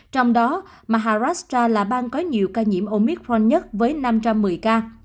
trong đó maharashtra là bang có nhiều ca nhiễm omicron nhất với năm trăm một mươi ca